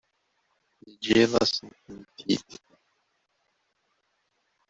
Teǧǧiḍ-asent-tent-id.